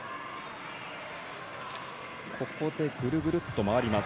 ここでぐるぐるっと回ります。